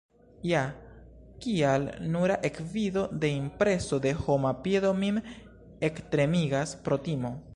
Ja, kial nura ekvido de impreso de homa piedo min ektremigas pro timo?